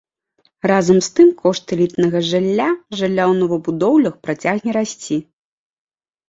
Разам з тым кошт элітнага жылля, жылля ў новабудоўлях працягне расці.